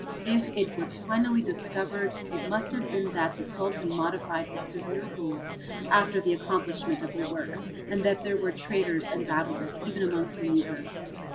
If it was finally discovered it must have been that the Sultan modified his severe rules after the accomplishment of the works and that there were traitors and babblers even amongst the Negroes.